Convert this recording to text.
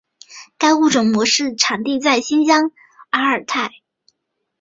该物种的模式产地在新疆阿尔泰。